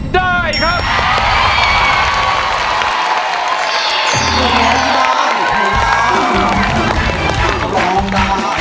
ได้ครับ